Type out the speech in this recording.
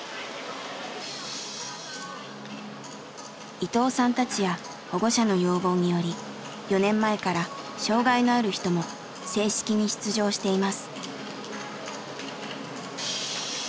伊藤さんたちや保護者の要望により４年前から障害のある人も正式に出場しています。